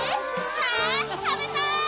わぁたべたい！